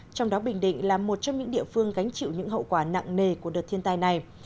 trong đó bình định là một trong những địa phương gánh chịu những hậu quả nặng nề của đợt thiên tai này